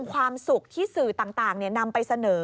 ความสุขที่สื่อต่างนำไปเสนอ